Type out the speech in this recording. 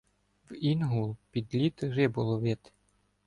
В Інгул під лід рибу ловити